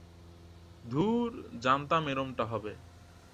ধুর, জানতাম এরকমটা হবে।